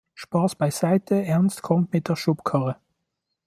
Spaß beiseite, Ernst kommt mit der Schubkarre!